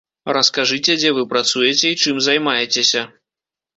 Раскажыце, дзе вы працуеце і чым займаецеся.